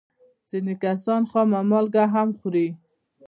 ځینې کسان خامه مالګه هم خوري.